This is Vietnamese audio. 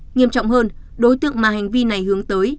nghiêm trọng hơn đối tượng mà hành vi này hướng tới